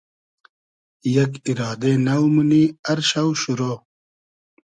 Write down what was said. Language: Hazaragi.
یئگ ایرادې نۆ مونی ار شۆ شورۉ